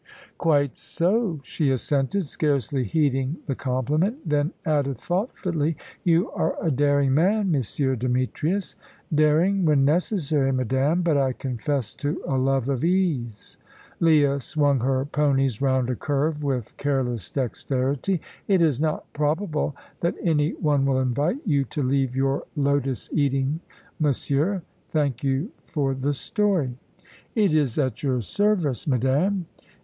"Quite so," she assented, scarcely heeding the compliment; then added thoughtfully, "You are a daring man, Monsieur Demetrius." "Daring, when necessary, madame. But I confess to a love of ease." Leah swung her ponies round a curve with careless dexterity. "It is not probable that any one will invite you to leave your lotus eating, monsieur. Thank you for the story." "It is at your service, madame."